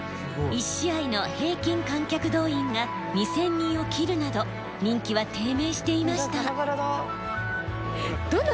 １試合の平均観客動員が２，０００人を切るなど人気は低迷していました。